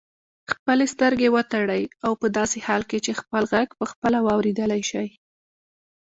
خپلې سترګې وتړئ او په داسې حال کې چې خپل غږ پخپله واورېدلای شئ.